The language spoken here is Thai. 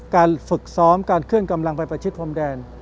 การฝึกซ้อมการเคลื่อนกำลังไปประชิดพรมแดน